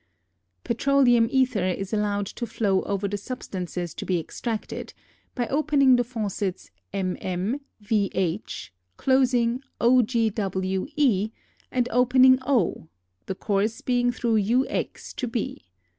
Petroleum ether is allowed to flow over the substances to be extracted, by opening the faucets mm, vh, closing _ogw_E, and opening o, the course being through ux to B.